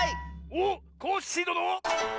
おっコッシーどの！